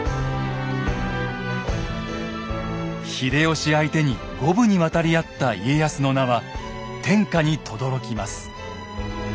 秀吉相手に五分に渡り合った家康の名は天下にとどろきます。